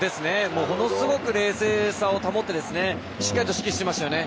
ものすごく冷静さを保ってしっかりと指揮してましたよね。